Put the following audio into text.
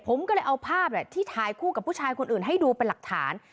ผมก็เลยเอาภาพที่ถ่ายคู่กับผู้ชายคนอื่นให้ดูเป็นหลักฐาน